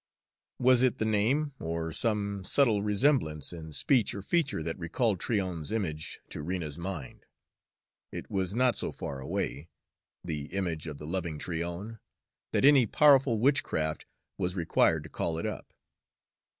Was it the name, or some subtle resemblance in speech or feature, that recalled Tryon's image to Rena's mind? It was not so far away the image of the loving Tryon that any powerful witchcraft was required to call it up.